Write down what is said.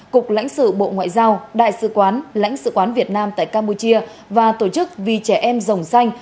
cục lãnh sự bộ ngoại giao đại sứ quán lãnh sự quán việt nam tại campuchia và tổ chức vì trẻ em dòng xanh